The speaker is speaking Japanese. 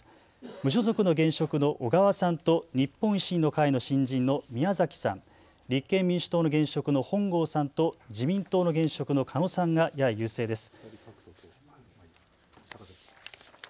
無所属の現職の小川さんと日本維新の会の新人の宮崎さん、立憲民主党の現職の本郷さんと自民党の現職の狩野さんがやや優勢です。